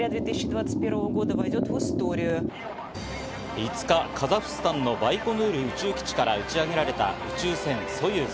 ５日、カザフスタンのバイコヌール宇宙基地から打ち上げられた宇宙船ソユーズ。